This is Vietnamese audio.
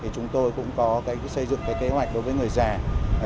chúng tôi cũng có xây dựng kế hoạch đối với người già